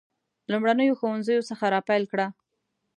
لومړنیو ښوونځیو څخه را پیل کړه.